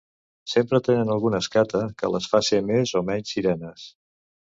Sempre tenen alguna escata que les fa ser més o menys sirenes